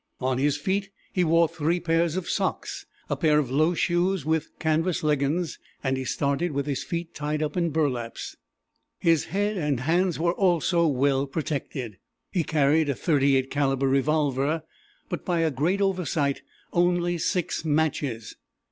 On his feet he wore three pairs of socks, a pair of low shoes with canvas leggins, and he started with his feet tied up in burlaps. His head and hands were also well protected. He carried a 38 caliber revolver, but, by a great oversight, only six matches.